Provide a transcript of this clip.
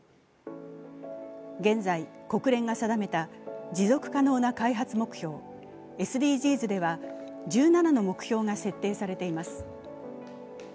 現在、国連が定めた持続可能な開発目標＝ＳＤＧｓでは１７の目標が設定されています。